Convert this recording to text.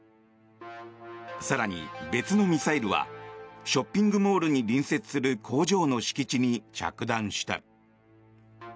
更に、別のミサイルはショッピングモールに隣接する工場の敷地に着弾した。